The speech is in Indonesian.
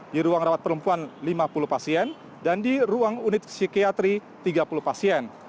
di ruang rawat perempuan lima puluh pasien dan di ruang unit psikiatri tiga puluh pasien